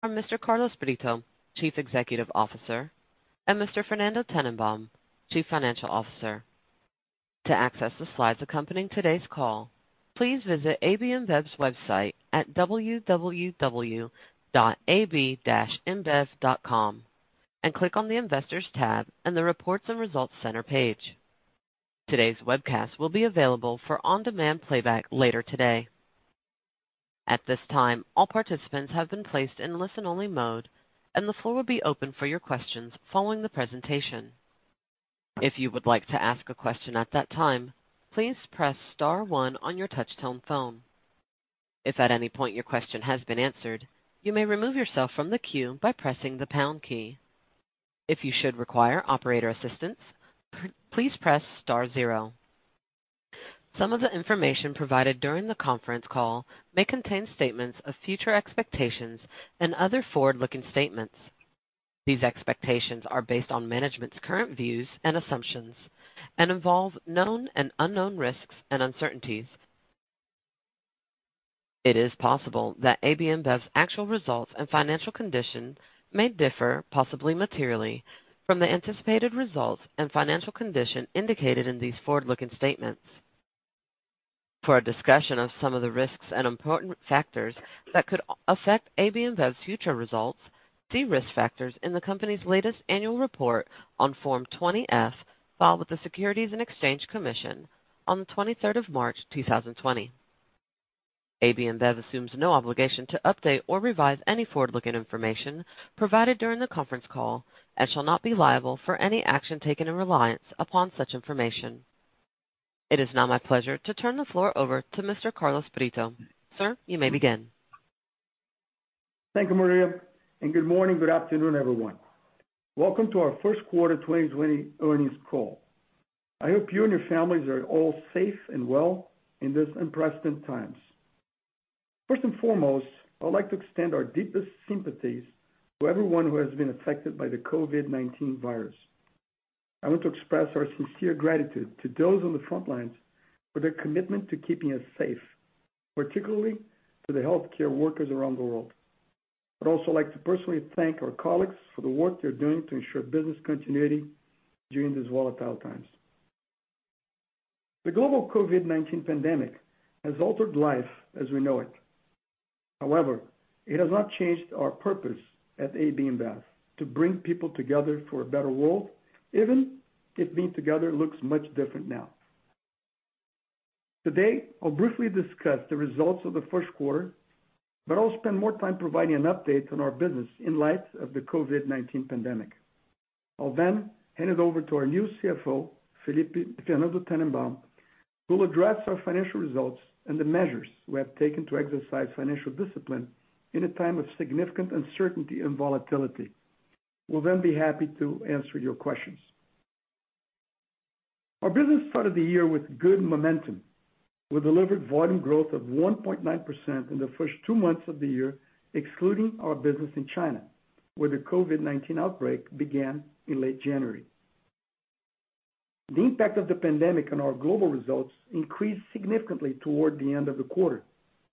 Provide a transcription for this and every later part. From Mr. Carlos Brito, Chief Executive Officer, and Mr. Fernando Tennenbaum, Chief Financial Officer. To access the slides accompanying today's call, please visit AB InBev's website at www.ab-inbev.com and click on the Investors tab and the Reports and Results Center page. Today's webcast will be available for on-demand playback later today. At this time, all participants have been placed in listen-only mode, and the floor will be open for your questions following the presentation. If you would like to ask a question at that time, please press star one on your touch-tone phone. If at any point your question has been answered, you may remove yourself from the queue by pressing the pound key. If you should require operator assistance, please press star zero. Some of the information provided during the conference call may contain statements of future expectations and other forward-looking statements. These expectations are based on management's current views and assumptions and involve known and unknown risks and uncertainties. It is possible that AB InBev's actual results and financial condition may differ, possibly materially, from the anticipated results and financial condition indicated in these forward-looking statements. For a discussion of some of the risks and important factors that could affect AB InBev's future results, see risk factors in the company's latest annual report on Form 20-F filed with the Securities and Exchange Commission on the 23rd of March 2020. AB InBev assumes no obligation to update or revise any forward-looking information provided during the conference call and shall not be liable for any action taken in reliance upon such information. It is now my pleasure to turn the floor over to Mr. Carlos Brito. Sir, you may begin. Thank you, Maria. Good morning, good afternoon, everyone. Welcome to our first quarter 2020 earnings call. I hope you and your families are all safe and well in this unprecedented times. First and foremost, I would like to extend our deepest sympathies to everyone who has been affected by the COVID-19 virus. I want to express our sincere gratitude to those on the front lines for their commitment to keeping us safe, particularly to the healthcare workers around the world. I'd also like to personally thank our colleagues for the work they're doing to ensure business continuity during these volatile times. The global COVID-19 pandemic has altered life as we know it. However, it has not changed our purpose at AB InBev to bring people together for a better world, even if being together looks much different now. Today, I'll briefly discuss the results of the first quarter, but I'll spend more time providing an update on our business in light of the COVID-19 pandemic. I'll hand it over to our new CFO, Fernando Tennenbaum, who will address our financial results and the measures we have taken to exercise financial discipline in a time of significant uncertainty and volatility. We'll be happy to answer your questions. Our business started the year with good momentum. We delivered volume growth of one point nine percent in the first two months of the year, excluding our business in China, where the COVID-19 outbreak began in late January. The impact of the pandemic on our global results increased significantly toward the end of the quarter,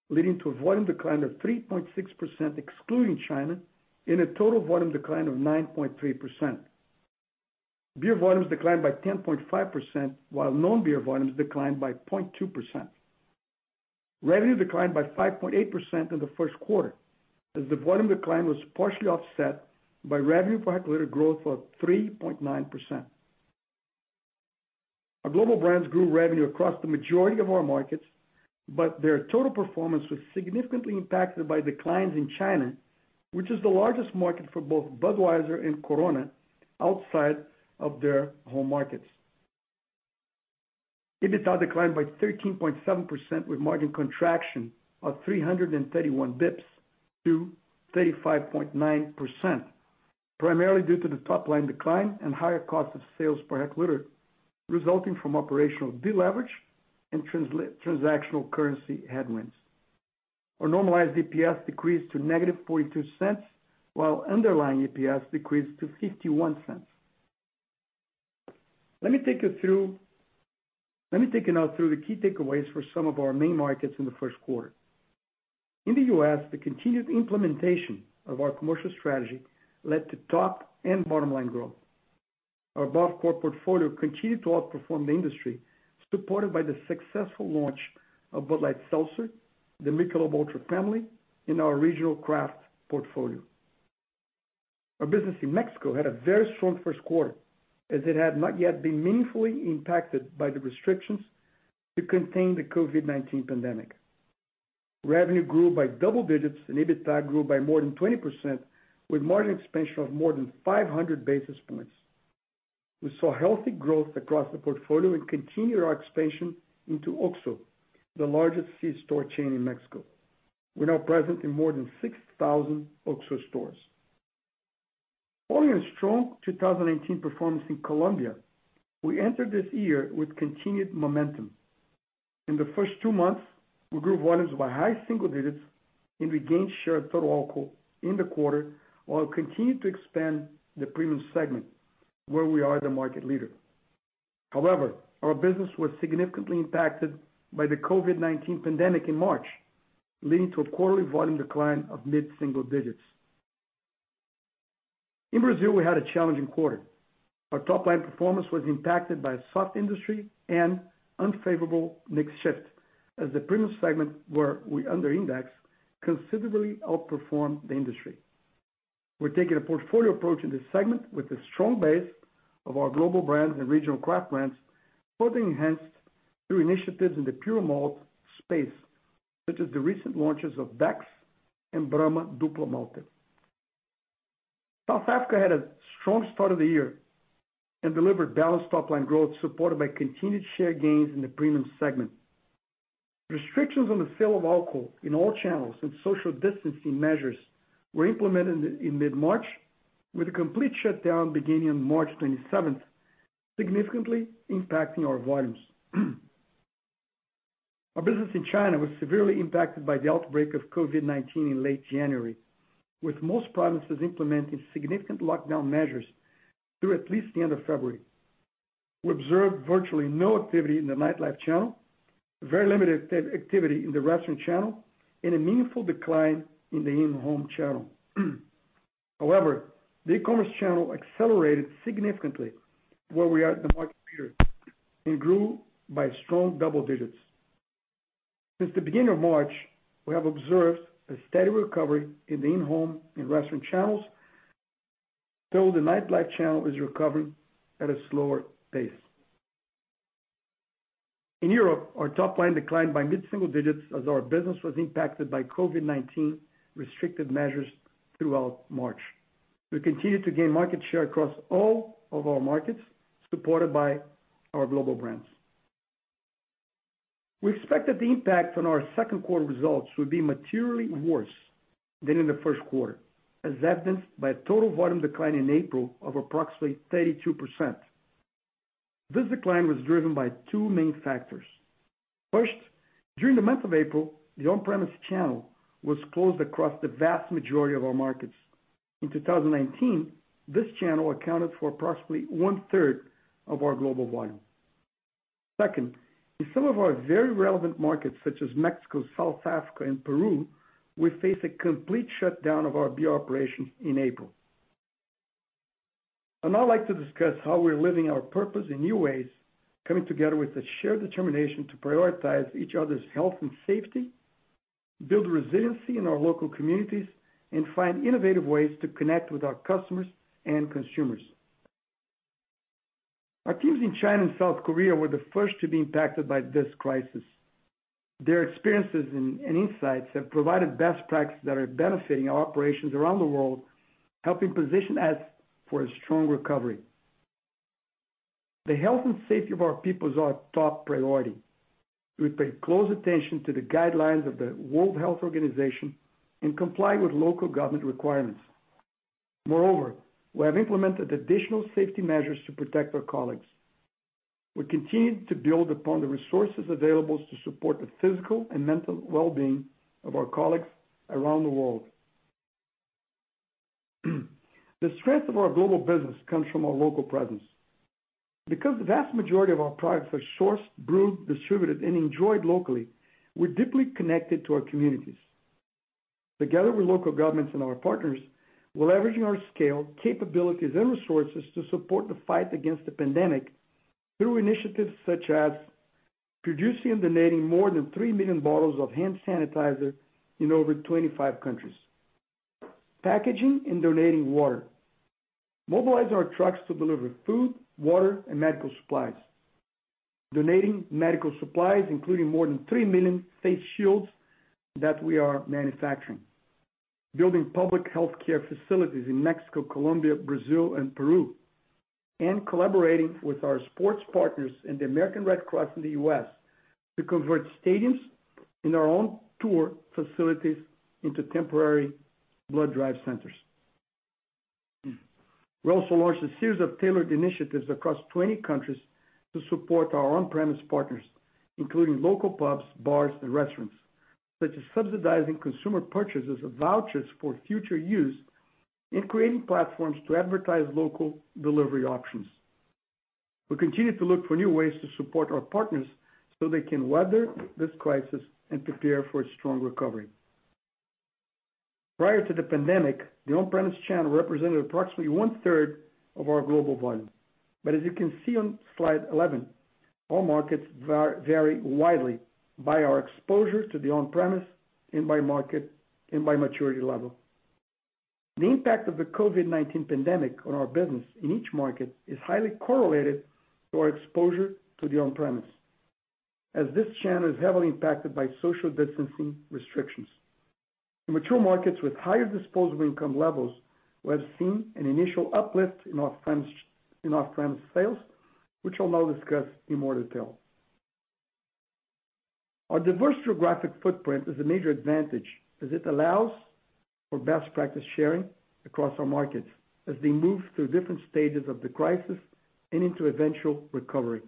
leading to a volume decline of three point six percent, excluding China, and a total volume decline of nine point three percent. Beer volumes declined by 10.5%, while non-beer volumes declined bypoint two percent. Revenue declined by five point eight percent in the first quarter, as the volume decline was partially offset by revenue per hectoliter growth of three point nine percent. Our global brands grew revenue across the majority of our markets, but their total performance was significantly impacted by declines in China, which is the largest market for both Budweiser and Corona outside of their home markets. EBITDA declined by 13.7% with margin contraction of 331 bps to 35.9%, primarily due to the top-line decline and higher cost of sales per hectoliter resulting from operational deleverage and transactional currency headwinds. Our normalized EPS decreased to negative $0.42, while underlying EPS decreased to $0.51. Let me take you now through the key takeaways for some of our main markets in the first quarter. In the U.S., the continued implementation of our commercial strategy led to top and bottom-line growth. Our Bud-Core portfolio continued to outperform the industry, supported by the successful launch of Bud Light Seltzer, the Michelob ULTRA family, and our regional craft portfolio. Our business in Mexico had a very strong first quarter, as it had not yet been meaningfully impacted by the restrictions to contain the COVID-19 pandemic. Revenue grew by double digits and EBITDA grew by more than 20% with margin expansion of more than 500 basis points. We saw healthy growth across the portfolio and continued our expansion into OXXO, the largest c-store chain in Mexico. We're now present in more than 6,000 OXXO stores. Following a strong 2019 performance in Colombia, we entered this year with continued momentum. In the first two months, we grew volumes by high single digits and we gained share of total alcohol in the quarter while continuing to expand the premium segment, where we are the market leader. Our business was significantly impacted by the COVID-19 pandemic in March, leading to a quarterly volume decline of mid-single digits. In Brazil, we had a challenging quarter. Our top line performance was impacted by a soft industry and unfavorable mix shift as the premium segment where we under index, considerably outperformed the industry. We're taking a portfolio approach in this segment with a strong base of our global brands and regional craft brands, further enhanced through initiatives in the pure malt space, such as the recent launches of Beck's and Brahma Duplo Malte. South Africa had a strong start of the year and delivered balanced top line growth supported by continued share gains in the premium segment. Restrictions on the sale of alcohol in all channels and social distancing measures were implemented in mid-March, with a complete shutdown beginning March 27th, significantly impacting our volumes. Our business in China was severely impacted by the outbreak of COVID-19 in late January, with most provinces implementing significant lockdown measures through at least the end of February. We observed virtually no activity in the nightlife channel, very limited activity in the restaurant channel, and a meaningful decline in the in-home channel. The e-commerce channel accelerated significantly where we had the market share and grew by strong double digits. Since the beginning of March, we have observed a steady recovery in the in-home and restaurant channels, though the nightlife channel is recovering at a slower pace. In Europe, our top line declined by mid-single digits as our business was impacted by COVID-19 restrictive measures throughout March. We continued to gain market share across all of our markets, supported by our global brands. We expect that the impact on our second quarter results will be materially worse than in the first quarter, as evidenced by a total volume decline in April of approximately 32%. This decline was driven by two main factors. First, during the month of April, the on-premise channel was closed across the vast majority of our markets. In 2019, this channel accounted for approximately one-third of our global volume. Second, in some of our very relevant markets such as Mexico, South Africa, and Peru, we faced a complete shutdown of our beer operations in April. I'd now like to discuss how we're living our purpose in new ways, coming together with a shared determination to prioritize each other's health and safety, build resiliency in our local communities, and find innovative ways to connect with our customers and consumers. Our teams in China and South Korea were the first to be impacted by this crisis. Their experiences and insights have provided best practices that are benefiting our operations around the world, helping position us for a strong recovery. The health and safety of our people is our top priority. We pay close attention to the guidelines of the World Health Organization and comply with local government requirements. Moreover, we have implemented additional safety measures to protect our colleagues. We continue to build upon the resources available to support the physical and mental wellbeing of our colleagues around the world. The strength of our global business comes from our local presence. Because the vast majority of our products are sourced, brewed, distributed, and enjoyed locally, we're deeply connected to our communities. Together with local governments and our partners, we're leveraging our scale, capabilities, and resources to support the fight against the pandemic through initiatives such as producing and donating more than three million bottles of hand sanitizer in over 25 countries. Packaging and donating water. Mobilize our trucks to deliver food, water, and medical supplies. Donating medical supplies, including more than three million face shields that we are manufacturing. Building public healthcare facilities in Mexico, Colombia, Brazil, and Peru. Collaborating with our sports partners and the American Red Cross in the U.S. to convert stadiums and our own tour facilities into temporary blood drive centers. We also launched a series of tailored initiatives across 20 countries to support our on-premise partners, including local pubs, bars, and restaurants, such as subsidizing consumer purchases of vouchers for future use and creating platforms to advertise local delivery options. We continue to look for new ways to support our partners so they can weather this crisis and prepare for a strong recovery. Prior to the pandemic, the on-premise channel represented approximately one third of our global volume. As you can see on slide 11, all markets vary widely by our exposure to the on-premise and by maturity level. The impact of the COVID-19 pandemic on our business in each market is highly correlated to our exposure to the on-premise, as this channel is heavily impacted by social distancing restrictions. In mature markets with higher disposable income levels, we have seen an initial uplift in off-premise sales, which I'll now discuss in more detail. Our diverse geographic footprint is a major advantage as it allows for best practice sharing across our markets as they move through different stages of the crisis and into eventual recovery.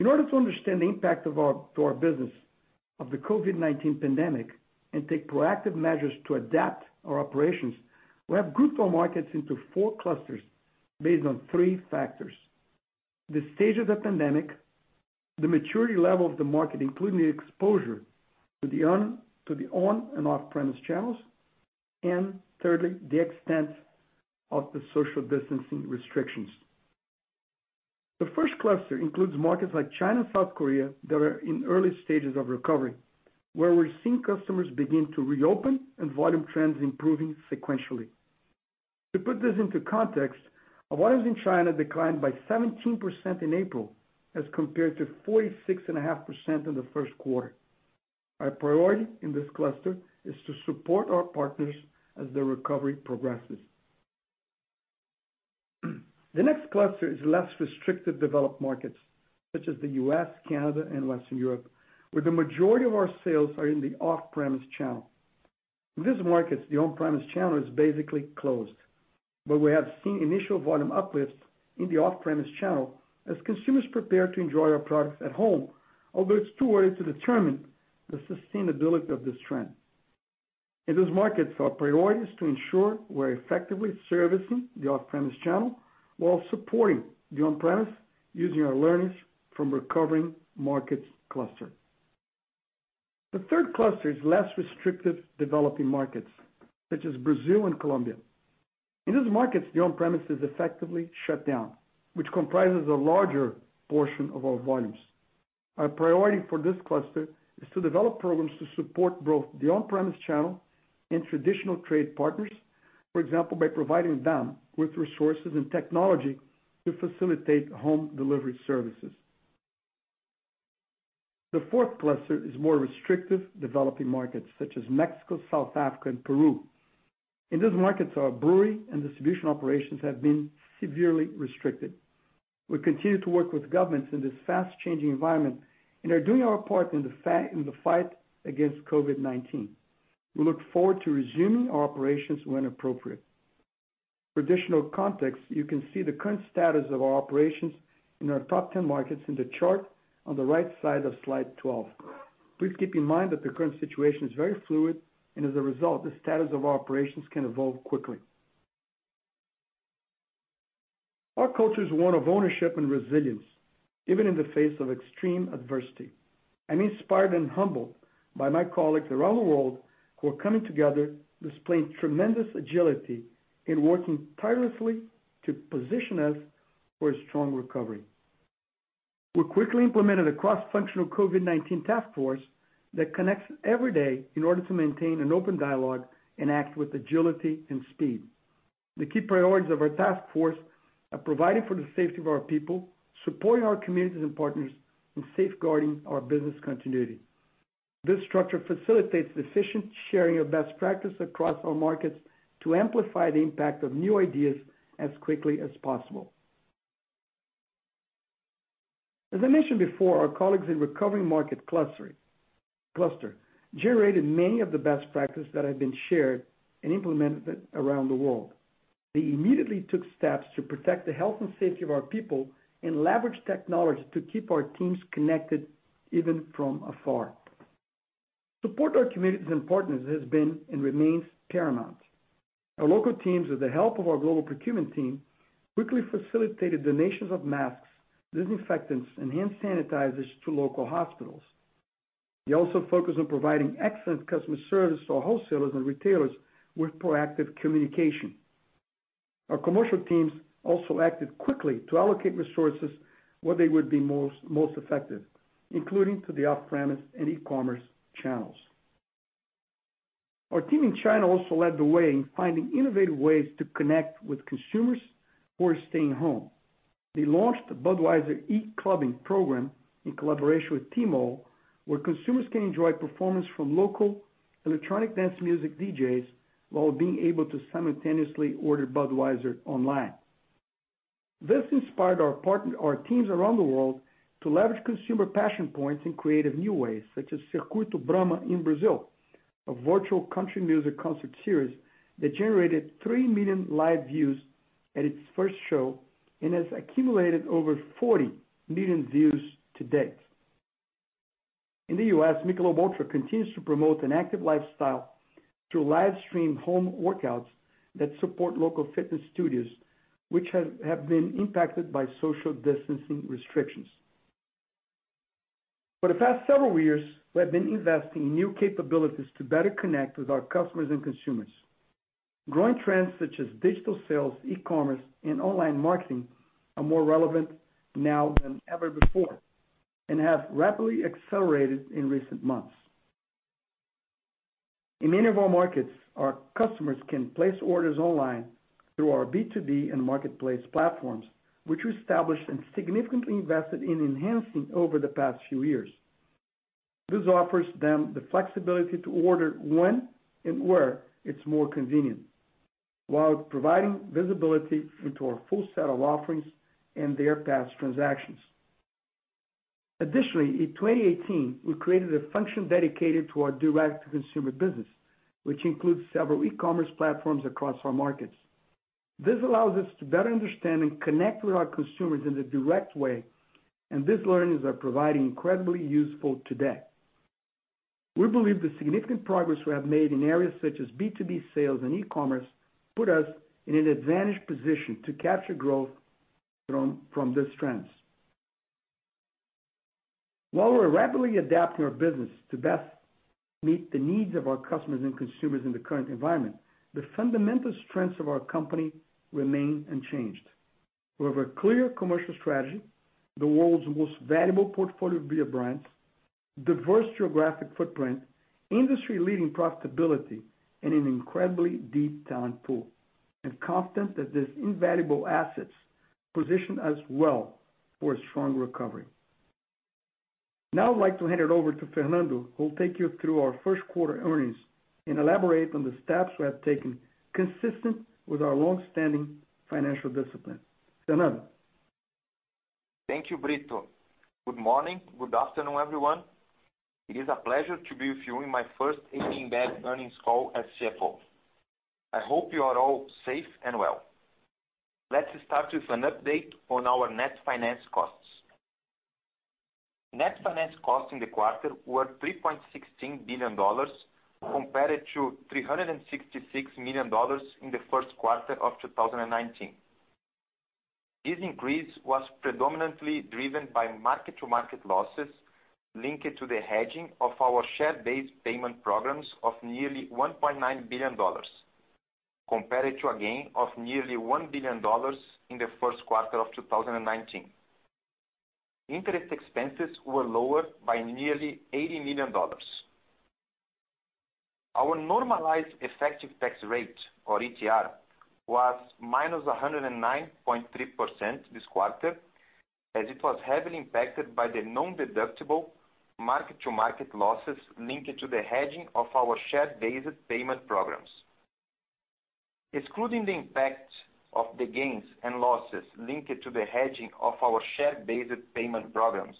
In order to understand the impact to our business of the COVID-19 pandemic and take proactive measures to adapt our operations, we have grouped our markets into four clusters based on three factors. The stage of the pandemic, the maturity level of the market, including the exposure to the on and off-premise channels, and thirdly, the extent of the social distancing restrictions. The first cluster includes markets like China, South Korea, that are in early stages of recovery, where we're seeing customers begin to reopen and volume trends improving sequentially. To put this into context, our volumes in China declined by 17% in April as compared to 46.5% in the first quarter. Our priority in this cluster is to support our partners as their recovery progresses. The next cluster is less restrictive developed markets, such as the U.S., Canada, and Western Europe, where the majority of our sales are in the off-premise channel. In these markets, the on-premise channel is basically closed, but we have seen initial volume uplifts in the off-premise channel as consumers prepare to enjoy our products at home, although it's too early to determine the sustainability of this trend. In these markets, our priority is to ensure we're effectively servicing the off-premise channel while supporting the on-premise, using our learnings from recovering markets cluster. The third cluster is less restrictive developing markets, such as Brazil and Colombia. In these markets, the on-premise is effectively shut down, which comprises a larger portion of our volumes. Our priority for this cluster is to develop programs to support both the on-premise channel and traditional trade partners. For example, by providing them with resources and technology to facilitate home delivery services. The fourth cluster is more restrictive developing markets such as Mexico, South Africa, and Peru. In these markets, our brewery and distribution operations have been severely restricted. We continue to work with governments in this fast-changing environment and are doing our part in the fight against COVID-19. We look forward to resuming our operations when appropriate. For additional context, you can see the current status of our operations in our top 10 markets in the chart on the right side of slide 12. Please keep in mind that the current situation is very fluid and as a result, the status of our operations can evolve quickly. Our culture is one of ownership and resilience, even in the face of extreme adversity. I'm inspired and humbled by my colleagues around the world who are coming together, displaying tremendous agility in working tirelessly to position us for a strong recovery. We quickly implemented a cross-functional COVID-19 task force that connects every day in order to maintain an open dialogue and act with agility and speed. The key priorities of our task force are providing for the safety of our people, supporting our communities and partners, and safeguarding our business continuity. This structure facilitates efficient sharing of best practice across our markets to amplify the impact of new ideas as quickly as possible. As I mentioned before, our colleagues in recovering market cluster generated many of the best practices that have been shared and implemented around the world. They immediately took steps to protect the health and safety of our people and leveraged technology to keep our teams connected even from afar. Support to our communities and partners has been and remains paramount. Our local teams, with the help of our global procurement team, quickly facilitated donations of masks, disinfectants, and hand sanitizers to local hospitals. We also focused on providing excellent customer service to our wholesalers and retailers with proactive communication. Our commercial teams also acted quickly to allocate resources where they would be most effective, including to the off-premise and e-commerce channels. Our team in China also led the way in finding innovative ways to connect with consumers who are staying home. They launched the Budweiser E-clubbing program in collaboration with Tmall, where consumers can enjoy performance from local electronic dance music DJs while being able to simultaneously order Budweiser online. This inspired our teams around the world to leverage consumer passion points in creative new ways, such as Circuito Brahma in Brazil, a virtual country music concert series that generated three million live views at its first show and has accumulated over 40 million views to date. In the U.S., Michelob ULTRA continues to promote an active lifestyle through live-streamed home workouts that support local fitness studios, which have been impacted by social distancing restrictions. For the past several years, we have been investing in new capabilities to better connect with our customers and consumers. Growing trends such as digital sales, e-commerce, and online marketing are more relevant now than ever before and have rapidly accelerated in recent months. In many of our markets, our customers can place orders online through our B2B and marketplace platforms, which we established and significantly invested in enhancing over the past few years. This offers them the flexibility to order when and where it's more convenient, while providing visibility into our full set of offerings and their past transactions. Additionally, in 2018, we created a function dedicated to our direct-to-consumer business, which includes several e-commerce platforms across our markets. This allows us to better understand and connect with our consumers in a direct way, and these learnings are providing incredibly useful today. We believe the significant progress we have made in areas such as B2B sales and e-commerce put us in an advantaged position to capture growth from these trends. While we're rapidly adapting our business to best meet the needs of our customers and consumers in the current environment, the fundamental strengths of our company remain unchanged. We have a clear commercial strategy, the world's most valuable portfolio of beer brands, diverse geographic footprint, industry-leading profitability, and an incredibly deep talent pool. I'm confident that these invaluable assets position us well for a strong recovery. Now I'd like to hand it over to Fernando, who will take you through our first quarter earnings and elaborate on the steps we have taken consistent with our longstanding financial discipline. Fernando. Thank you, Brito. Good morning. Good afternoon, everyone. It is a pleasure to be with you in my first AB InBev earnings call as CFO. I hope you are all safe and well. Let's start with an update on our net finance costs. Net finance costs in the quarter were $3.16 billion compared to $366 million in the first quarter of 2019. This increase was predominantly driven by mark-to-market losses linked to the hedging of our share-based payment programs of nearly $1.9 billion, compared to a gain of nearly $1 billion in the first quarter of 2019. Interest expenses were lower by nearly $80 million. Our normalized effective tax rate, or ETR, was minus 109.3% this quarter, as it was heavily impacted by the non-deductible mark-to-market losses linked to the hedging of our share-based payment programs. Excluding the impact of the gains and losses linked to the hedging of our share-based payment programs,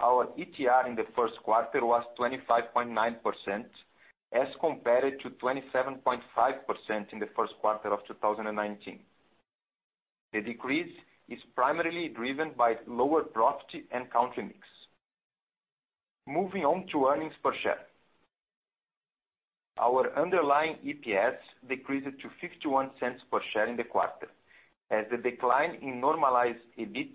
our ETR in the first quarter was 25.9% as compared to 27.5% in the first quarter of 2019. The decrease is primarily driven by lower profit and country mix. Moving on to earnings per share. Our underlying EPS decreased to 0.51 per share in the quarter, as the decline in normalized EBIT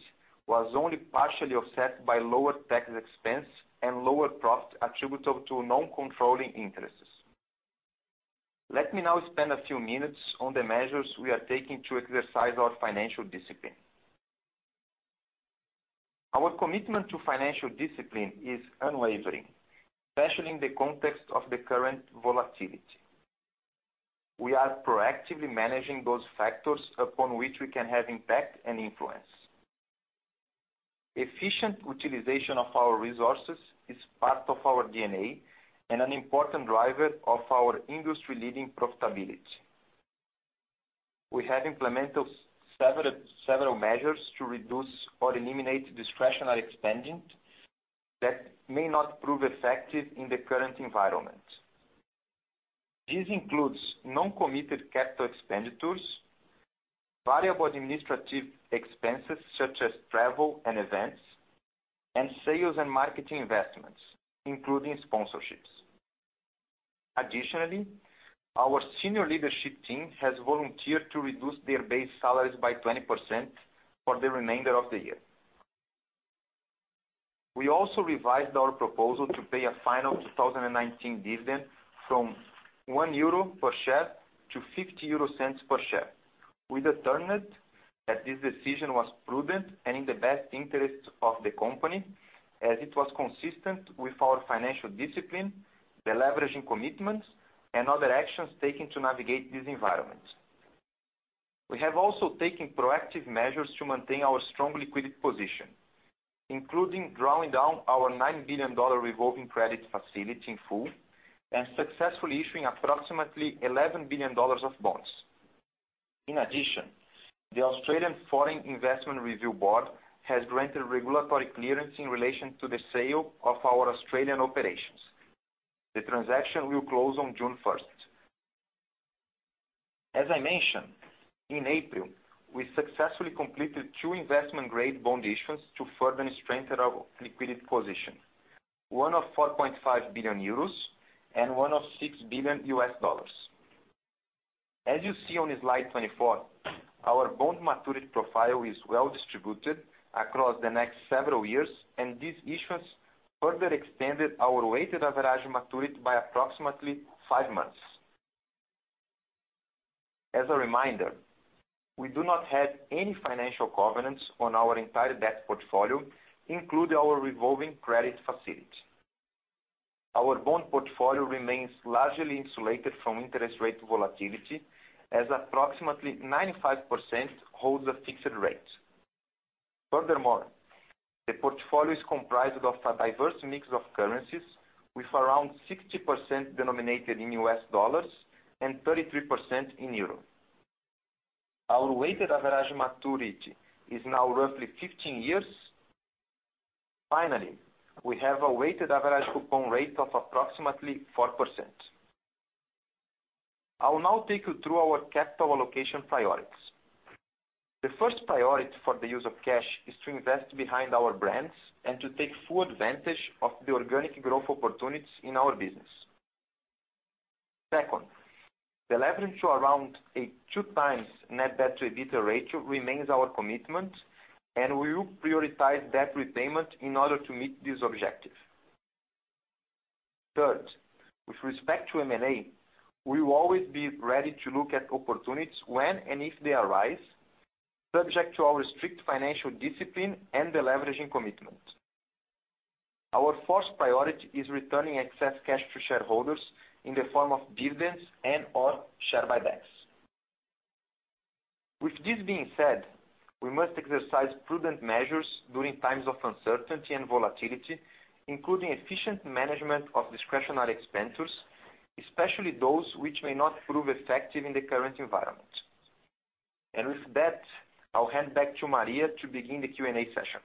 was only partially offset by lower tax expense and lower profit attributable to non-controlling interests. Let me now spend a few minutes on the measures we are taking to exercise our financial discipline. Our commitment to financial discipline is unwavering, especially in the context of the current volatility. We are proactively managing those factors upon which we can have impact and influence. Efficient utilization of our resources is part of our DNA and an important driver of our industry-leading profitability. We have implemented several measures to reduce or eliminate discretionary spending that may not prove effective in the current environment. This includes non-committed CapEx, variable administrative expenses such as travel and events, and sales and marketing investments, including sponsorships. Additionally, our senior leadership team has volunteered to reduce their base salaries by 20% for the remainder of the year. We also revised our proposal to pay a final 2019 dividend from 1 euro per share to 0.50 per share. We determined that this decision was prudent and in the best interest of the company, as it was consistent with our financial discipline, the leveraging commitments, and other actions taken to navigate this environment. We have also taken proactive measures to maintain our strong liquidity position, including drawing down our $9 billion revolving credit facility in full and successfully issuing approximately $11 billion of bonds. In addition, the Australian Foreign Investment Review Board has granted regulatory clearance in relation to the sale of our Australian operations. The transaction will close on June first. As I mentioned, in April, we successfully completed two investment-grade bond issues to further strengthen our liquidity position, one of 4.5 billion euros and one of $6 billion. As you see on slide 24, our bond maturity profile is well distributed across the next several years, and these issuance further extended our weighted average maturity by approximately five months. As a reminder, we do not have any financial covenants on our entire debt portfolio, including our revolving credit facility. Our bond portfolio remains largely insulated from interest rate volatility as approximately 95% holds a fixed rate. Furthermore, the portfolio is comprised of a diverse mix of currencies, with around 60% denominated in U.S. dollars and 33% in EUR. Our weighted average maturity is now roughly 15 years. Finally, we have a weighted average coupon rate of approximately. I will now take you through our capital allocation priorities. The first priority for the use of cash is to invest behind our brands and to take full advantage of the organic growth opportunities in our business. Second, the leverage to around a two times net debt to EBITDA ratio remains our commitment, and we will prioritize debt repayment in order to meet this objective. Third, with respect to M&A, we will always be ready to look at opportunities when and if they arise, subject to our strict financial discipline and the leveraging commitment. Our first priority is returning excess cash to shareholders in the form of dividends and/or share buybacks. With this being said, we must exercise prudent measures during times of uncertainty and volatility, including efficient management of discretionary expenditures, especially those which may not prove effective in the current environment. With that, I'll hand back to Maria to begin the Q&A session.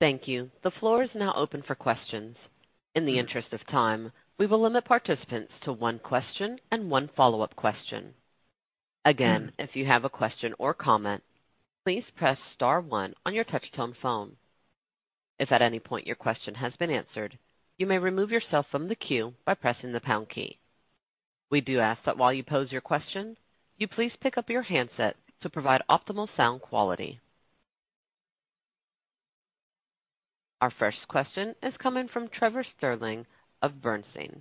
Thank you. The floor is now open for questions. In the interest of time, we will limit participants to one question and one follow-up question. Again, if you have a question or comment, please press star one on your touch-tone phone. If at any point your question has been answered, you may remove yourself from the queue by pressing the pound key. We do ask that while you pose your question, you please pick up your handset to provide optimal sound quality. Our first question is coming from Trevor Stirling of Bernstein.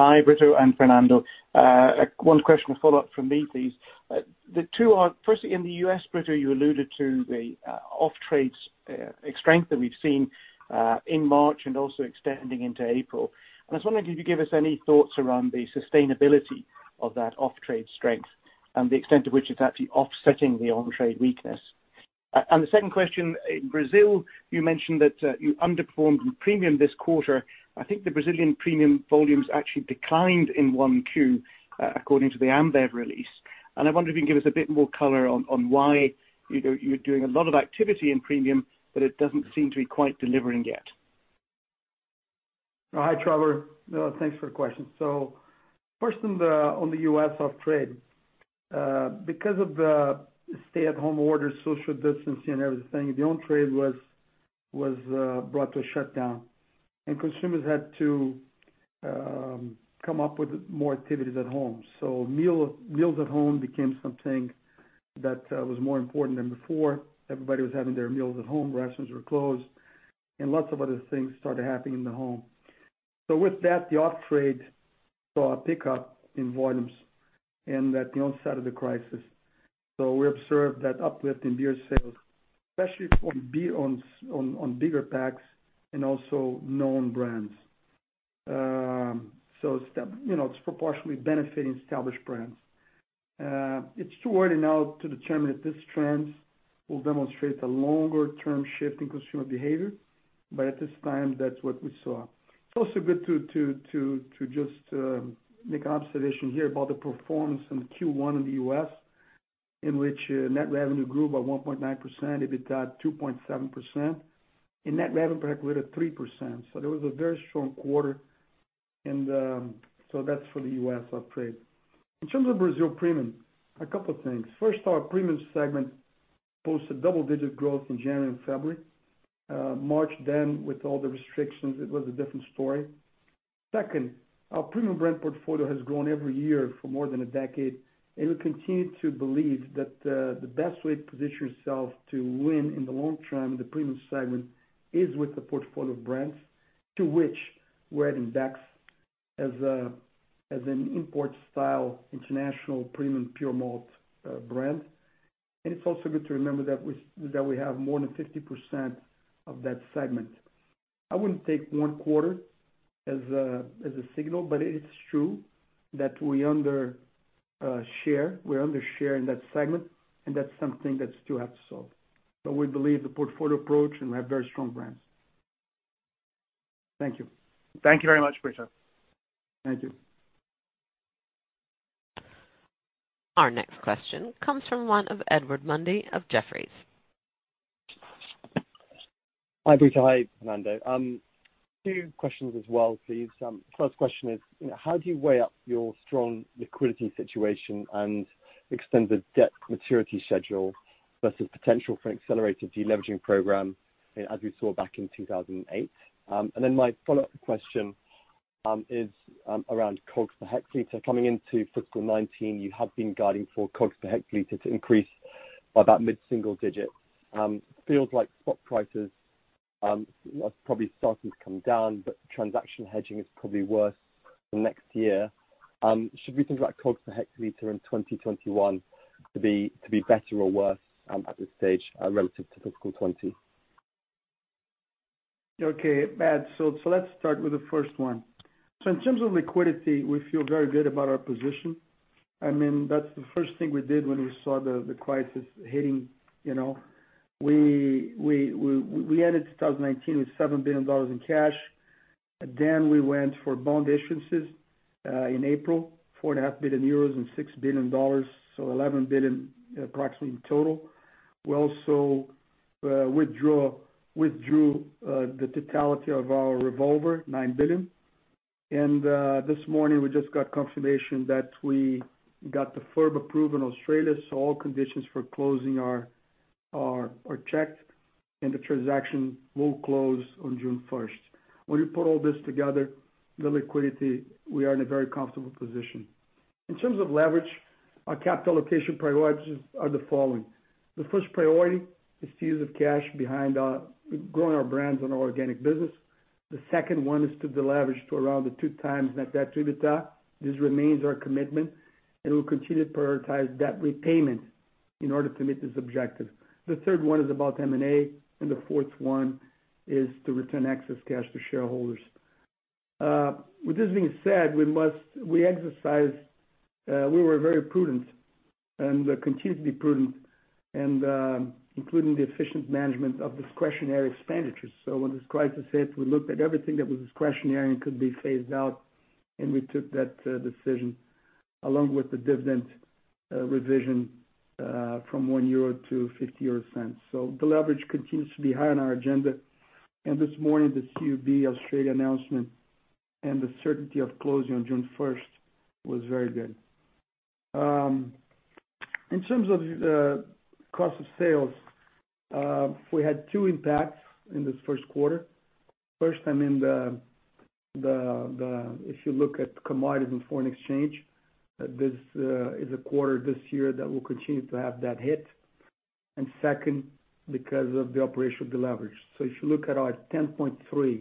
Hi, Brito and Fernando. One question to follow up from me, please. The two are, firstly, in the U.S., Brito, you alluded to the off-trade strength that we've seen in March and also extending into April. I was wondering if you could give us any thoughts around the sustainability of that off-trade strength and the extent to which it's actually offsetting the on-trade weakness. The second question, in Brazil, you mentioned that you underperformed in premium this quarter. I think the Brazilian premium volumes actually declined in 1Q, according to the Ambev release. I wonder if you can give us a bit more color on why you're doing a lot of activity in premium, but it doesn't seem to be quite delivering yet. Hi, Trevor. Thanks for the question. First, on the U.S. off-trade. Because of the stay-at-home order, social distancing, and everything, the on-trade was brought to a shutdown and consumers had to come up with more activities at home. Meals at home became something that was more important than before. Everybody was having their meals at home, restaurants were closed, and lots of other things started happening in the home. With that, the off-trade saw a pickup in volumes at the onset of the crisis. We observed that uplift in beer sales, especially on bigger POCs and also known brands. It's proportionally benefiting established brands. It's too early now to determine if this trend will demonstrate a longer-term shift in consumer behavior. At this time, that's what we saw. It's also good to just make an observation here about the performance in Q1 in the U.S., in which net revenue grew by one point nine percent, EBITDA two point seven percent, and net revenue per hectolitre three percent. That was a very strong quarter. That's for the U.S. off-trade. In terms of Brazil premium, a couple things. First, our premium segment posted double-digit growth in January and February. March then, with all the restrictions, it was a different story. Second, our premium brand portfolio has grown every year for more than a decade, and we continue to believe that the best way to position yourself to win in the long term in the premium segment is with a portfolio of brands to which we're adding Beck's as an import style, international premium pure malt brand. It's also good to remember that we have more than 50% of that segment. I wouldn't take one quarter as a signal, but it is true that we're under share in that segment, and that's something that still has to solve. We believe the portfolio approach, and we have very strong brands. Thank you. Thank you very much, Brito. Thank you. Our next question comes from one of Edward Mundy of Jefferies. Hi, Brito. Hi, Fernando. Two questions as well, please. First question is, how do you weigh up your strong liquidity situation and extended debt maturity schedule versus potential for an accelerated deleveraging program as we saw back in 2008? My follow-up question is around COGS per hectoliter. Coming into fiscal 2019, you have been guiding for COGS per hectoliter to increase by about mid-single digits. Feels like spot prices are probably starting to come down, transaction hedging is probably worse for next year. Should we think about COGS per hectoliter in 2021 to be better or worse at this stage relative to fiscal 2020? Okay, Ed. Let's start with the first one. In terms of liquidity, we feel very good about our position. That's the first thing we did when we saw the crisis hitting. We ended 2019 with $7 billion in cash. We went for bond issuances, in April, 4.5 billion euros and $6 billion, so approximately $11 billion in total. We also withdrew the totality of our revolver, $9 billion. This morning we just got confirmation that we got the FIRB approval in Australia, so all conditions for closing are checked, and the transaction will close on June first. When you put all this together, the liquidity, we are in a very comfortable position. In terms of leverage, our capital allocation priorities are the following. The first priority is to use of cash behind growing our brands on our organic business. The second one is to deleverage to around the two times net debt to EBITDA. This remains our commitment, and we'll continue to prioritize debt repayment in order to meet this objective. The third one is about M&A, and the fourth one is to return excess cash to shareholders. With this being said, we were very prudent and continue to be prudent, including the efficient management of discretionary expenditures. When this crisis hit, we looked at everything that was discretionary and could be phased out, and we took that decision along with the dividend revision from 1 euro to 0.50. Deleverage continues to be high on our agenda. This morning, the CUB Australia announcement and the certainty of closing on June first was very good. In terms of cost of sales, we had two impacts in this first quarter. First, if you look at commodities and foreign exchange, this is a quarter this year that will continue to have that hit. Second, because of the operational deleverage. If you look at our 10.3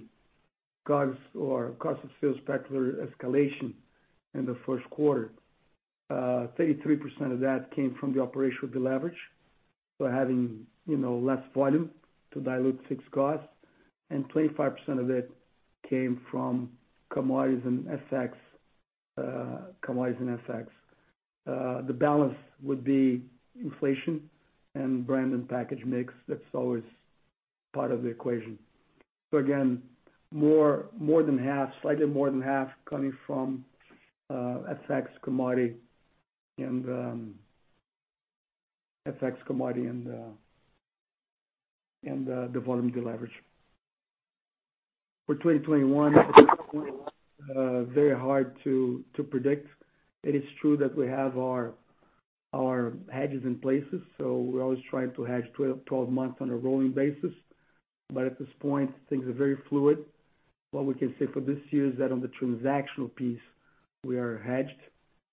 cost of sales particular escalation in the first quarter, 33% of that came from the operational deleverage. Having less volume to dilute fixed costs, and 25% of it came from commodities and FX. The balance would be inflation and brand and package mix. That's always part of the equation. Again, slightly more than half coming from FX, commodity, and the volume deleverage. For 2021, very hard to predict. It is true that we have our hedges in places, so we're always trying to hedge 12 months on a rolling basis. At this point, things are very fluid. What we can say for this year is that on the transactional piece, we are hedged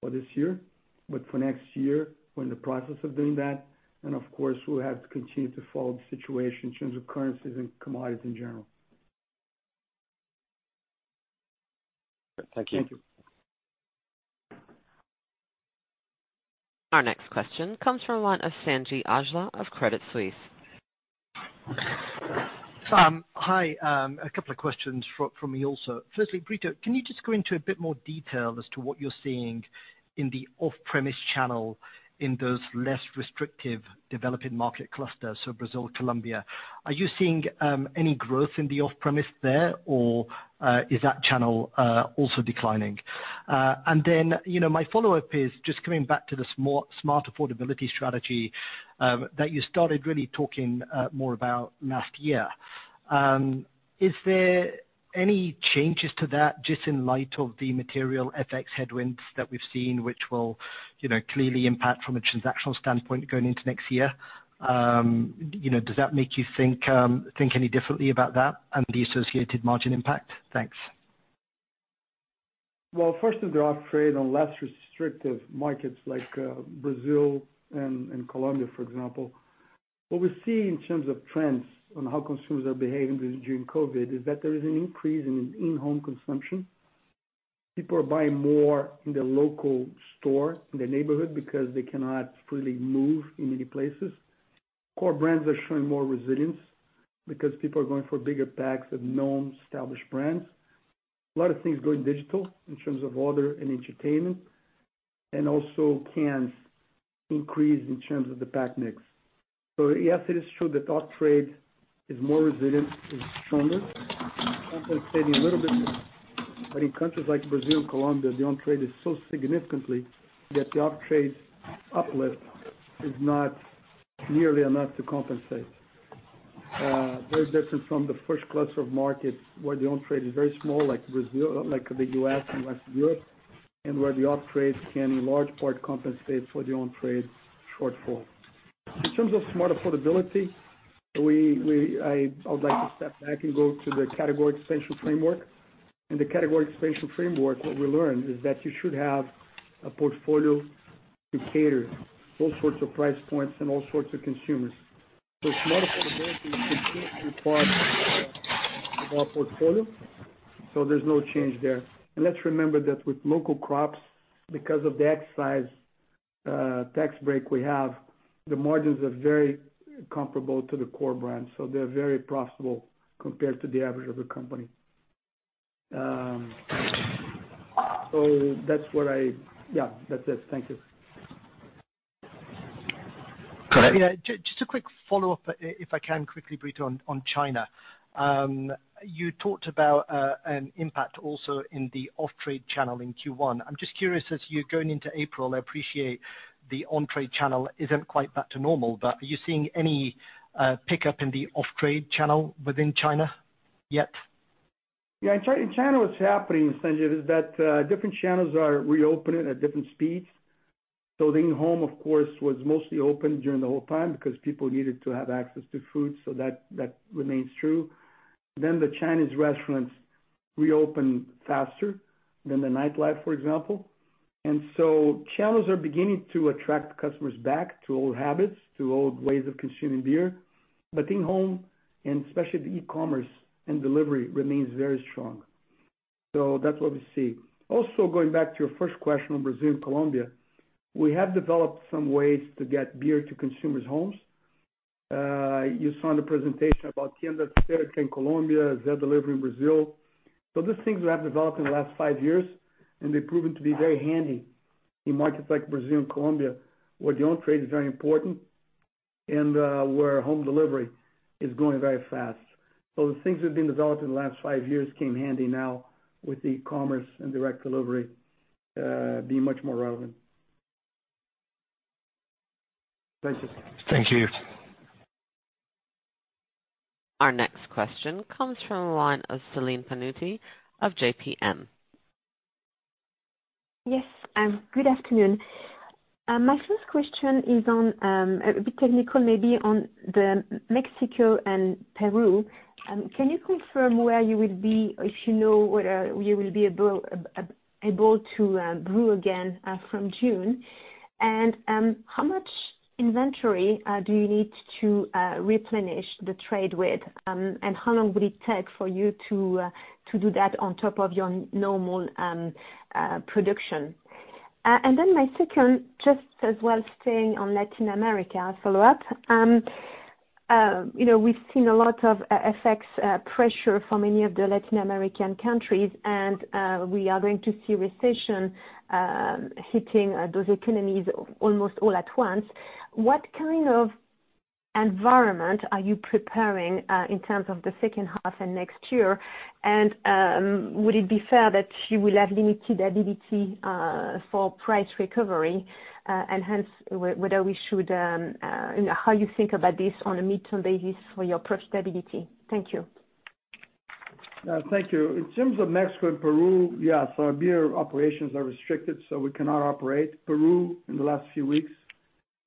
for this year, but for next year, we're in the process of doing that. Of course, we'll have to continue to follow the situation in terms of currencies and commodities in general. Thank you. Our next question comes from the line of Sanjeet Aujla of Credit Suisse. Hi. A couple of questions from me also. Firstly, Brito, can you just go into a bit more detail as to what you're seeing in the off-premise channel in those less restrictive developing market clusters, so Brazil, Colombia. Are you seeing any growth in the off-premise there, or is that channel also declining? My follow-up is just coming back to the smart affordability strategy that you started really talking more about last year. Is there any changes to that just in light of the material FX headwinds that we've seen, which will clearly impact from a transactional standpoint going into next year? Does that make you think any differently about that and the associated margin impact? Thanks. Well, first on the off-trade on less restrictive markets like Brazil and Colombia, for example. What we're seeing in terms of trends on how consumers are behaving during COVID-19 is that there is an increase in in-home consumption. People are buying more in their local store, in their neighborhood, because they cannot freely move in many places. Core brands are showing more resilience because people are going for bigger POCs of known established brands. A lot of things going digital in terms of order and entertainment, and also cans increase in terms of the pack mix. Yes, it is true that off-trade is more resilient, is stronger, compensating a little bit. In countries like Brazil and Colombia, the on-trade is so significantly that the off-trade uplift is not nearly enough to compensate. Very different from the first cluster of markets where the on-trade is very small, like the U.S. and West Europe, and where the off-trade can in large part compensate for the on-trade shortfall. In terms of smart affordability, I would like to step back and go to the category expansion framework. In the category expansion framework, what we learned is that you should have a portfolio to cater all sorts of price points and all sorts of consumers. Smart affordability continues to be part of our portfolio, so there's no change there. Let's remember that with local crops, because of the excise tax break we have, the margins are very comparable to the core brands, so they're very profitable compared to the average of the company. That's it. Thank you. Yeah. Just a quick follow-up, if I can quickly, Brito, on China. You talked about an impact also in the off-trade channel in Q1. I'm just curious as you're going into April, I appreciate the on-trade channel isn't quite back to normal, but are you seeing any pickup in the off-trade channel within China yet? In China, what's happening, Sanjeet, is that different channels are reopening at different speeds. The in-home, of course, was mostly open during the whole time because people needed to have access to food, so that remains true. The Chinese restaurants reopen faster than the nightlife, for example. Channels are beginning to attract customers back to old habits, to old ways of consuming beer. In-home, and especially the e-commerce and delivery, remains very strong. That's what we see. Going back to your first question on Brazil and Colombia, we have developed some ways to get beer to consumers' homes. You saw in the presentation about Tienda Cerca in Colombia, Zé Delivery in Brazil. These things we have developed in the last five years, and they've proven to be very handy in markets like Brazil and Colombia, where the on-trade is very important and where home delivery is growing very fast. The things that have been developed in the last five years came handy now with e-commerce and direct delivery being much more relevant. Thank you. Our next question comes from the line of Celine Pannuti of JPM. Yes. Good afternoon. My first question is a bit technical maybe on the Mexico and Peru. Can you confirm where you will be, if you know whether you will be able to brew again from June? How much inventory do you need to replenish the trade with, and how long would it take for you to do that on top of your normal production? My second, just as well staying on Latin America follow-up. We've seen a lot of FX pressure from many of the Latin American countries, and we are going to see recession hitting those economies almost all at once. What kind of environment are you preparing in terms of the second half and next year? Would it be fair that you will have limited ability for price recovery, and hence, how you think about this on a midterm basis for your profitability? Thank you. Thank you. In terms of Mexico and Peru, yes, our beer operations are restricted, so we cannot operate. Peru, in the last few weeks,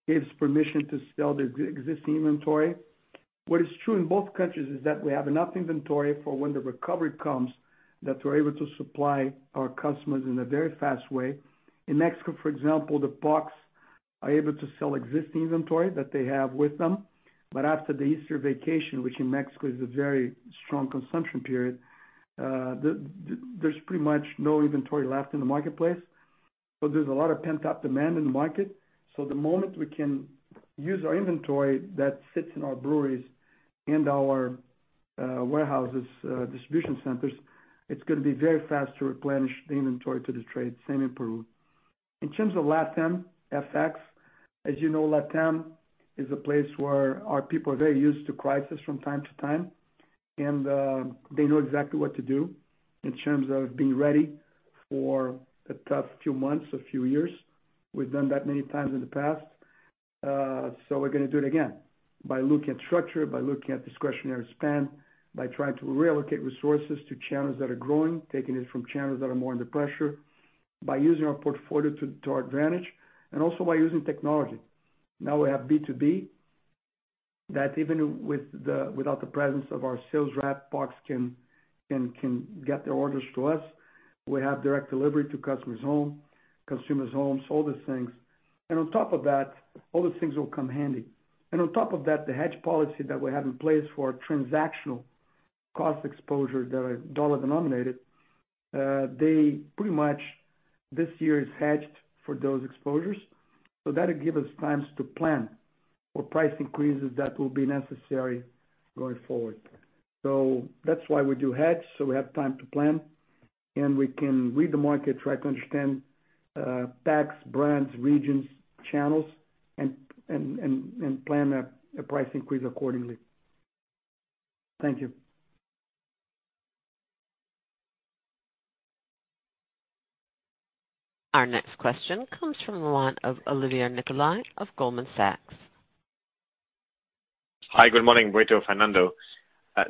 gave us permission to sell their existing inventory. What is true in both countries is that we have enough inventory for when the recovery comes, that we're able to supply our customers in a very fast way. In Mexico, for example, the POCs are able to sell existing inventory that they have with them. After the Easter vacation, which in Mexico is a very strong consumption period, there's pretty much no inventory left in the marketplace. There's a lot of pent-up demand in the market. The moment we can use our inventory that sits in our breweries and our warehouses, distribution centers, it's going to be very fast to replenish the inventory to the trade, same in Peru. In terms of LatAm FX, as you know, LatAm is a place where our people are very used to crisis from time to time, and they know exactly what to do in terms of being ready for a tough few months, a few years. We've done that many times in the past. We're going to do it again by looking at structure, by looking at discretionary spend, by trying to reallocate resources to channels that are growing, taking it from channels that are more under pressure, by using our portfolio to our advantage, and also by using technology. Now we have B2B, that even without the presence of our sales rep POCs can get their orders to us. We have direct delivery to customers' home, consumers' homes, all these things. On top of that, all those things will come handy. On top of that, the hedge policy that we have in place for transactional cost exposure that are dollar denominated, they pretty much this year is hedged for those exposures. That'll give us times to plan for price increases that will be necessary going forward. That's why we do hedge, so we have time to plan, and we can read the market, try to understand POCs, brands, regions, channels, and plan a price increase accordingly. Thank you. Our next question comes from the line of Olivier Nicolai of Goldman Sachs. Hi, good morning, Brito, Fernando. Good morning.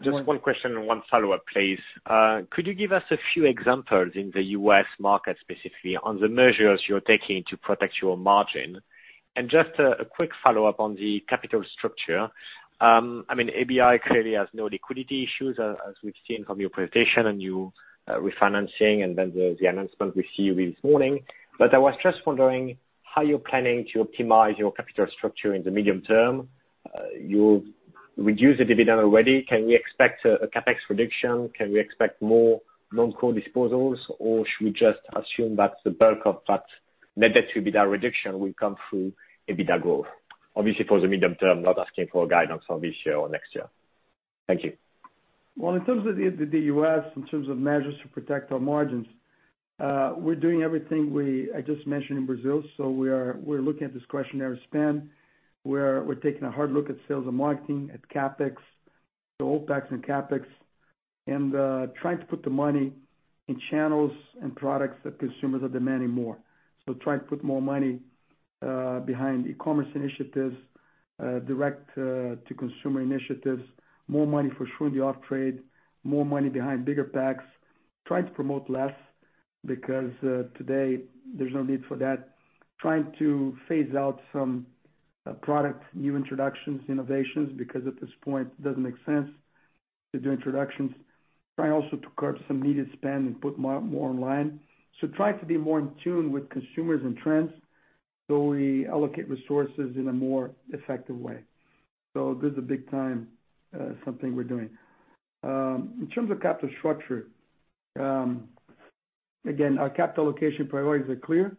Just one question and one follow-up, please. Could you give us a few examples in the U.S. market, specifically on the measures you're taking to protect your margin? Just a quick follow-up on the capital structure. ABI clearly has no liquidity issues, as we've seen from your presentation and your refinancing, then the announcement we see this morning. I was just wondering how you're planning to optimize your capital structure in the medium term. You reduced the dividend already. Can we expect a CapEx reduction? Can we expect more non-core disposals, or should we just assume that the bulk of that net debt to EBITDA reduction will come through EBITDA growth? Obviously, for the medium term, not asking for guidance on this year or next year. Thank you. Well, in terms of the U.S., in terms of measures to protect our margins, we're doing everything I just mentioned in Brazil. We're looking at discretionary spend. We're taking a hard look at sales and marketing, at CapEx, so OpEx and CapEx, and trying to put the money in channels and products that consumers are demanding more. Trying to put more money behind e-commerce initiatives, direct-to-consumer initiatives, more money for sure in the off-trade, more money behind bigger POCs. Trying to promote less, because today there's no need for that. Trying to phase out some product new introductions, innovations, because at this point, it doesn't make sense to do introductions. Trying also to curb some needed spend and put more online. Trying to be more in tune with consumers and trends so we allocate resources in a more effective way. This is big time something we're doing. In terms of capital structure. Our capital allocation priorities are clear.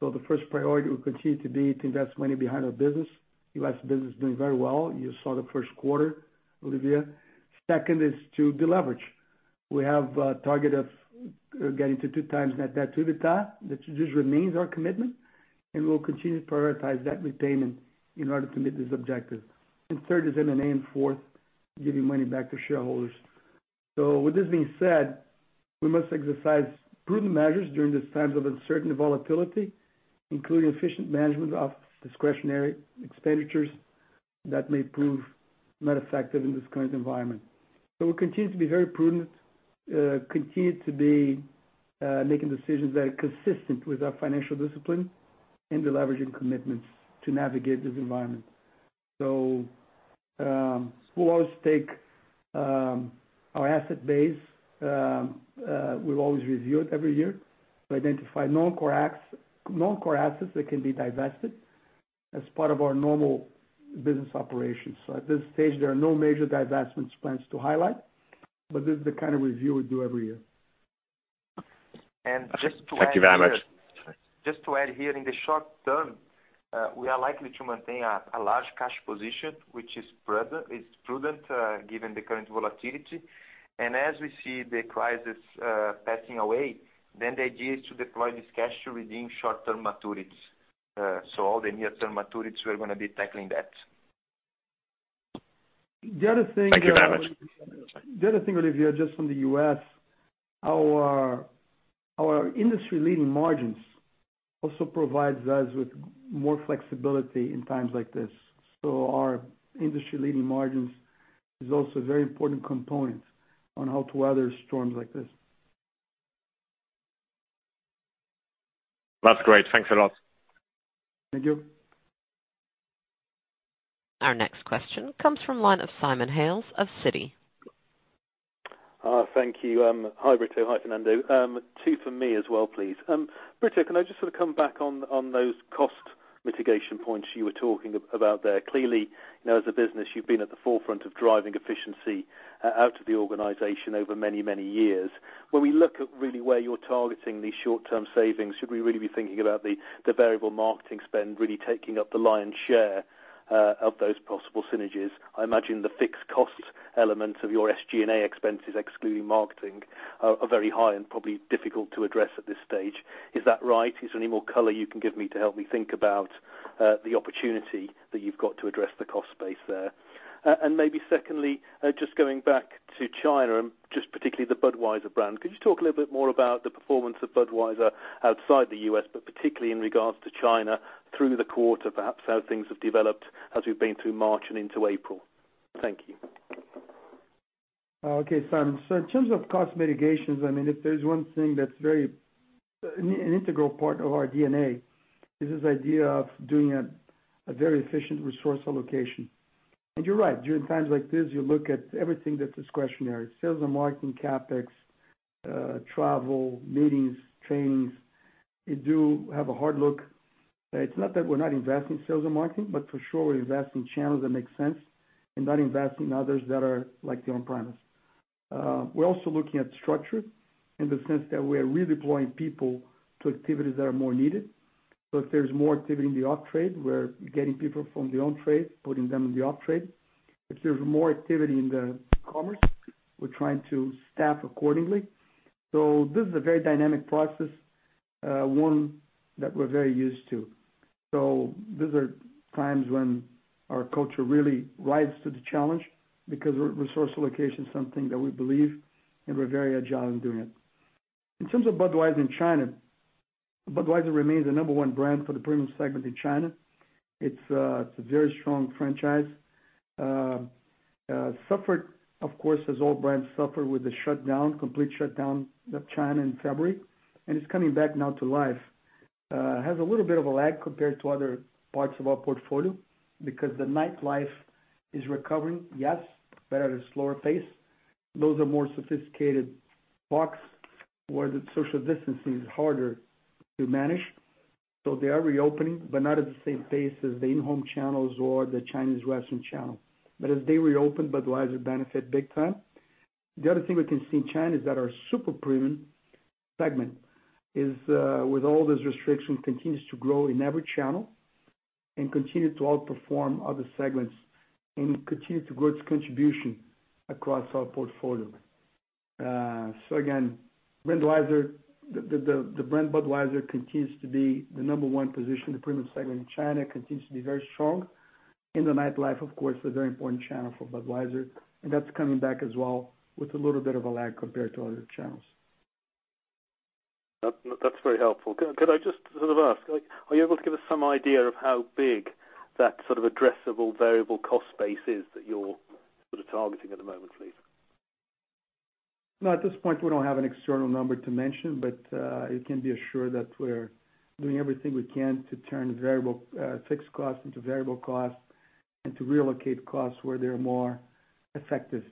The first priority will continue to be to invest money behind our business. U.S. business is doing very well. You saw the first quarter, Olivier. Second is to deleverage. We have a target of getting to two times net debt to EBITDA. This remains our commitment, and we'll continue to prioritize debt repayment in order to meet this objective. Third is M&A, fourth, giving money back to shareholders. With this being said, we must exercise prudent measures during these times of uncertainty and volatility, including efficient management of discretionary expenditures that may prove not effective in this current environment. We'll continue to be very prudent, continue to be making decisions that are consistent with our financial discipline and deleveraging commitments to navigate this environment. We'll always take our asset base. We'll always review it every year to identify non-core assets that can be divested as part of our normal business operations. At this stage, there are no major divestment plans to highlight, but this is the kind of review we do every year. Just to add here, in the short term, we are likely to maintain a large cash position, which is prudent given the current volatility. As we see the crisis passing away, then the idea is to deploy this cash to redeem short-term maturities. All the near-term maturities, we're going to be tackling that. The other thing. Thank you very much. The other thing, Olivier, just on the U.S., our industry-leading margins also provides us with more flexibility in times like this. Our industry-leading margins is also a very important component on how to weather storms like this. That's great. Thanks a lot. Thank you. Our next question comes from the line of Simon Hales of Citi. Thank you. Hi, Brito. Hi, Fernando. Two from me as well, please. Brito, can I just sort of come back on those cost mitigation points you were talking about there? Clearly, as a business, you've been at the forefront of driving efficiency out of the organization over many, many years. When we look at really where you're targeting these short-term savings, should we really be thinking about the variable marketing spend really taking up the lion's share of those possible synergies? I imagine the fixed cost elements of your SG&A expenses, excluding marketing, are very high and probably difficult to address at this stage. Is that right? Is there any more color you can give me to help me think about the opportunity that you've got to address the cost base there? Maybe secondly, just going back to China, and just particularly the Budweiser brand, could you talk a little bit more about the performance of Budweiser outside the U.S., but particularly in regards to China through the quarter, perhaps how things have developed as we've been through March and into April? Thank you. Okay, Simon. In terms of cost mitigations, if there's one thing that's an integral part of our DNA is this idea of doing a very efficient resource allocation. You're right. During times like this, you look at everything that's discretionary. Sales and marketing, CapEx, travel, meetings, trainings. You do have a hard look. It's not that we're not investing in sales and marketing, but for sure we invest in channels that make sense and not invest in others that are like the on-premise. We're also looking at structure in the sense that we're redeploying people to activities that are more needed. If there's more activity in the off-trade, we're getting people from the on-trade, putting them in the off-trade. If there's more activity in the commerce, we're trying to staff accordingly. This is a very dynamic process, one that we're very used to. These are times when our culture really rises to the challenge because resource allocation is something that we believe, and we're very agile in doing it. In terms of Budweiser in China, Budweiser remains the number one brand for the premium segment in China. It's a very strong franchise. Suffered, of course, as all brands suffer with the complete shutdown of China in February, and it's coming back now to life. Has a little bit of a lag compared to other parts of our portfolio because the nightlife is recovering, yes, but at a slower pace. Those are more sophisticated pubs where the social distancing is harder to manage. They are reopening, but not at the same pace as the in-home channels or the Chinese restaurant channel. As they reopen, Budweiser benefit big time. The other thing we can see in China is that our super premium segment, with all these restrictions, continues to grow in every channel, continue to outperform other segments and continue to grow its contribution across our portfolio. Again, the brand Budweiser continues to be the number one position. The premium segment in China continues to be very strong. In the nightlife, of course, a very important channel for Budweiser, and that's coming back as well, with a little bit of a lag compared to other channels. That's very helpful. Could I just sort of ask, are you able to give us some idea of how big that addressable variable cost base is that you're sort of targeting at the moment, please? No, at this point, we don't have an external number to mention, but you can be assured that we're doing everything we can to turn fixed costs into variable costs and to relocate costs where they're more effective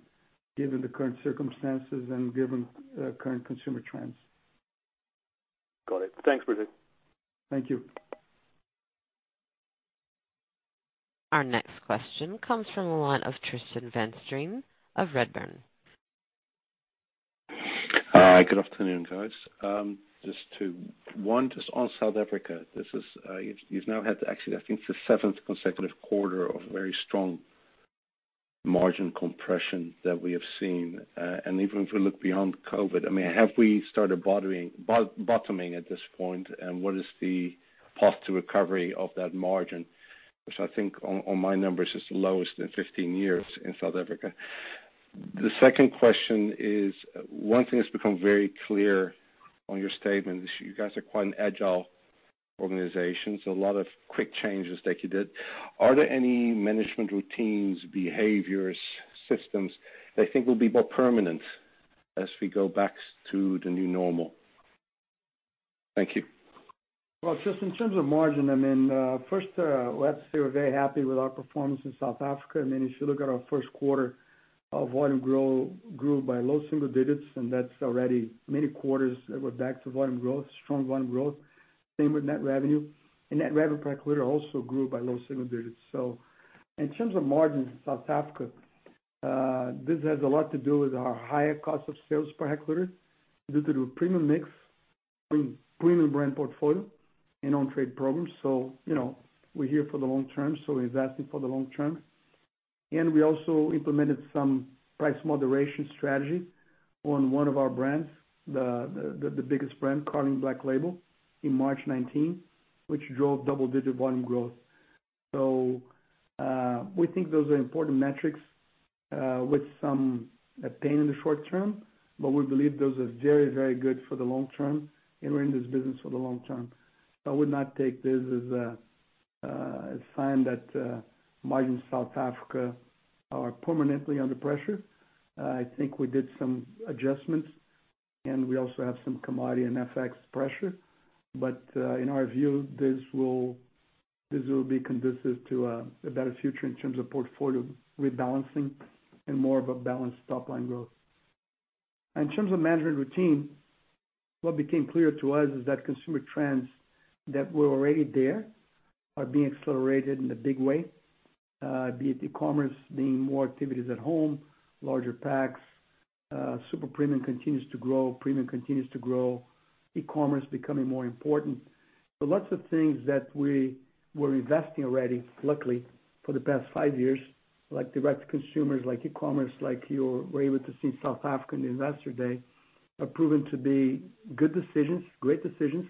given the current circumstances and given current consumer trends. Got it. Thanks, Brito. Thank you. Our next question comes from the line of Tristan van Strien of Redburn. Hi, good afternoon, guys. One, just on South Africa, you've now had, actually, I think it's the seventh consecutive quarter of very strong margin compression that we have seen. Even if we look beyond COVID-19, have we started bottoming at this point, and what is the path to recovery of that margin, which I think on my numbers is the lowest in 15 years in South Africa? The second question is, one thing that's become very clear on your statement is you guys are quite an agile organization, so a lot of quick changes that you did. Are there any management routines, behaviors, systems that you think will be more permanent as we go back to the new normal? Thank you. Well, just in terms of margin, first, let's say we're very happy with our performance in South Africa. If you look at our first quarter, our volume grew by low single digits, that's already many quarters that we're back to volume growth, strong volume growth. Same with net revenue. Net revenue per hectoliter also grew by low single digits. In terms of margin in South Africa, this has a lot to do with our higher cost of sales per hectoliter due to the premium mix, premium brand portfolio, and on-trade programs. We're here for the long term, investing for the long term. We also implemented some price moderation strategy on one of our brands, the biggest brand, Carling Black Label, in March 2019, which drove double-digit volume growth. We think those are important metrics, with some pain in the short term, but we believe those are very good for the long term, and we're in this business for the long term. I would not take this as a sign that margins in South Africa are permanently under pressure. I think we did some adjustments, and we also have some commodity and FX pressure. In our view, this will be conducive to a better future in terms of portfolio rebalancing and more of a balanced top-line growth. In terms of management routine, what became clear to us is that consumer trends that were already there are being accelerated in a big way, be it e-commerce, being more activities at home, larger packs. Super premium continues to grow, premium continues to grow, e-commerce becoming more important. Lots of things that we were investing already, luckily, for the past five years, like direct-to-consumers, like e-commerce, like you were able to see South Africa in the Investor Day, are proven to be good decisions, great decisions.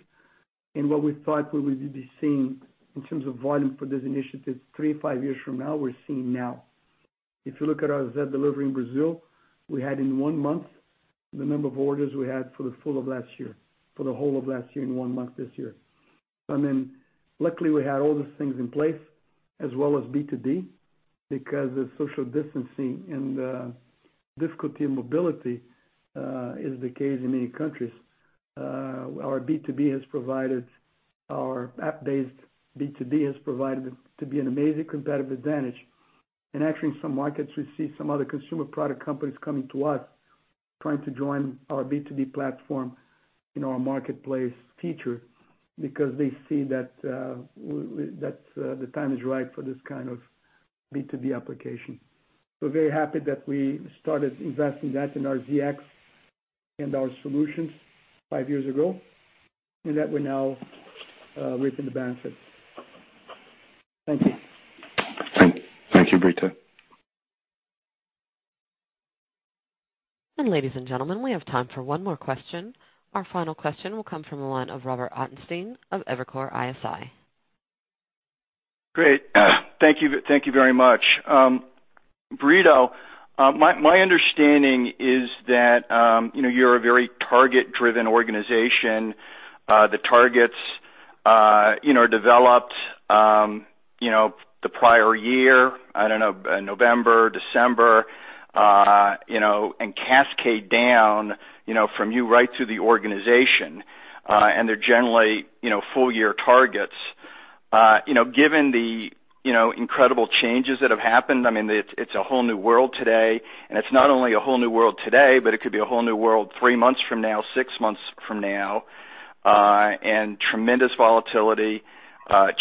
What we thought we would be seeing in terms of volume for these initiatives three to five years from now, we're seeing now. If you look at our Zé Delivery in Brazil, we had in one month, the number of orders we had for the full of last year, for the whole of last year in one month this year. Luckily, we had all these things in place, as well as B2B, because of social distancing and difficulty in mobility is the case in many countries. Our app-based B2B has proved to be an amazing competitive advantage. Actually, in some markets, we see some other consumer product companies coming to us trying to join our B2B platform in our marketplace feature because they see that the time is right for this kind of B2B application. Very happy that we started investing that in our ZX and our solutions five years ago, and that we're now reaping the benefits. Thank you. Thank you, Brito. Ladies and gentlemen, we have time for one more question. Our final question will come from the line of Robert Ottenstein of Evercore ISI. Great. Thank you very much. Brito, my understanding is that you're a very target-driven organization. The targets developed the prior year, I don't know, November, December, cascade down from you right through the organization. They're generally full-year targets. Given the incredible changes that have happened, it's a whole new world today. It's not only a whole new world today, it could be a whole new world three months from now, six months from now. Tremendous volatility,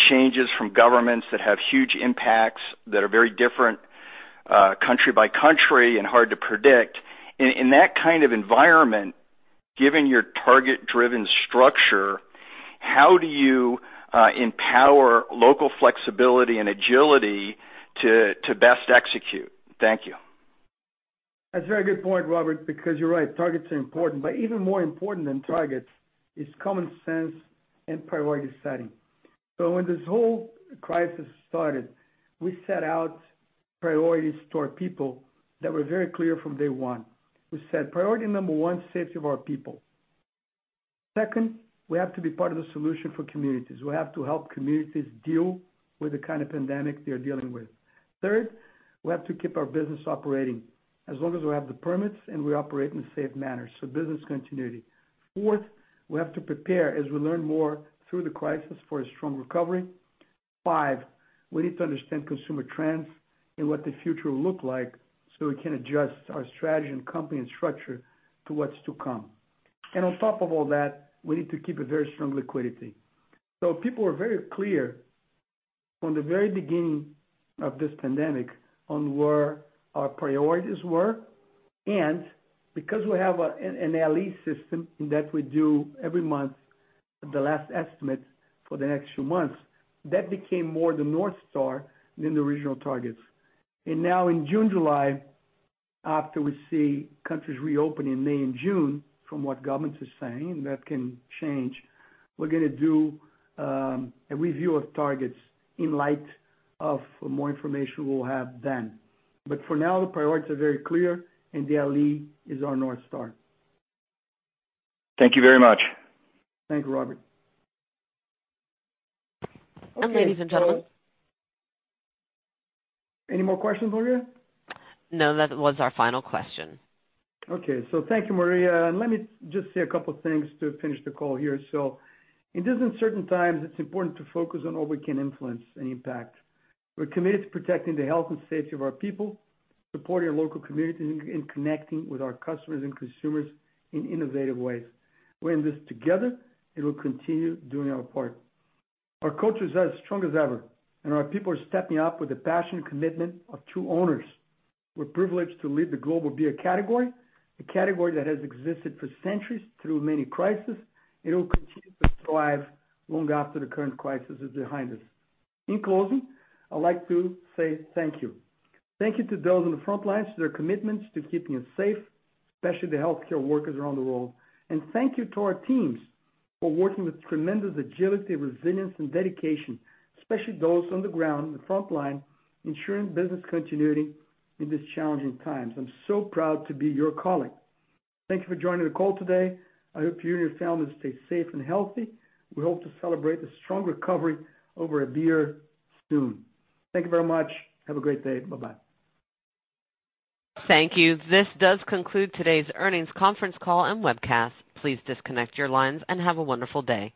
changes from governments that have huge impacts that are very different country by country and hard to predict. In that kind of environment, given your target-driven structure, how do you empower local flexibility and agility to best execute? Thank you. That's a very good point, Robert, because you're right, targets are important. Even more important than targets is common sense and priority setting. When this whole crisis started, we set out priorities to our people that were very clear from day one. We said, Priority number one, safety of our people. Second, we have to be part of the solution for communities. We have to help communities deal with the kind of pandemic they're dealing with. Third, we have to keep our business operating, as long as we have the permits and we operate in a safe manner. Business continuity. Fourth, we have to prepare, as we learn more through the crisis, for a strong recovery. Five, we need to understand consumer trends and what the future will look like so we can adjust our strategy and company and structure to what's to come. On top of all that, we need to keep a very strong liquidity. People were very clear from the very beginning of this pandemic on where our priorities were, and because we have an LE system that we do every month, the last estimate for the next few months, that became more the North Star than the original targets. Now in June, July, after we see countries reopening May and June, from what governments are saying, that can change. We're going to do a review of targets in light of more information we'll have then. For now, the priorities are very clear, and the LE is our North Star. Thank you very much. Thank you, Robert. Ladies and gentlemen. Any more questions, Maria? No, that was our final question. Thank you, Maria, and let me just say a couple things to finish the call here. In these uncertain times, it's important to focus on what we can influence and impact. We're committed to protecting the health and safety of our people, supporting our local community, and connecting with our customers and consumers in innovative ways. We're in this together, and we'll continue doing our part. Our culture is as strong as ever, and our people are stepping up with the passion and commitment of true owners. We're privileged to lead the global beer category, a category that has existed for centuries through many crises, and it will continue to thrive long after the current crisis is behind us. In closing, I'd like to say thank you. Thank you to those on the front lines, for their commitments to keeping us safe, especially the healthcare workers around the world. Thank you to our teams for working with tremendous agility, resilience, and dedication, especially those on the ground, the front line, ensuring business continuity in these challenging times. I'm so proud to be your colleague. Thank you for joining the call today. I hope you and your families stay safe and healthy. We hope to celebrate the strong recovery over a beer soon. Thank you very much. Have a great day. Bye-bye. Thank you. This does conclude today's earnings conference call and webcast. Please disconnect your lines and have a wonderful day.